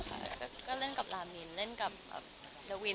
ก็เล่นกับลามินเล่นกับนาวิน